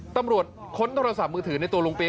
ตำรวจค้นโทรศัพท์มือถือในตัวลุงเปี๊ยก